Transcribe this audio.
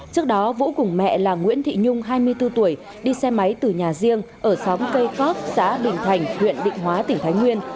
trước đó vũ cùng mẹ là nguyễn thị nhung hai mươi bốn tuổi đi xe máy từ nhà riêng ở xóm cây cóp xã đình thành huyện định hóa tỉnh thái nguyên